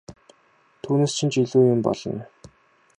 Түүнээс чинь ч илүү юм болно!